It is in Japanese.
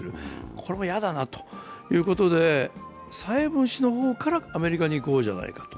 これも嫌だなということで蔡英文氏の方からアメリカに行こうじゃないかと。